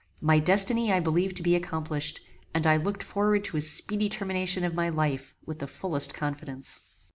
My destiny I believed to be accomplished, and I looked forward to a speedy termination of my life with the fullest confidence.